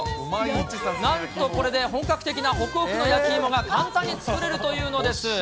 なんとこれで本格的なほくほくの焼き芋が簡単に作れるというのです。